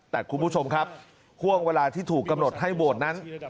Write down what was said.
แต่คุณผู้ชมครับห่วงเวลาที่ถูกกำหนดให้โหวตนั้น